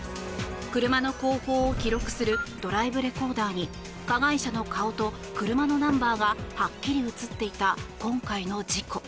車の後方を記録するドライブレコーダーに加害者の顔と車のナンバーがはっきり映っていた今回の事故。